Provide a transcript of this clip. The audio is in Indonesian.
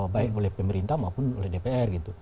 baik oleh pemerintah maupun oleh dpr gitu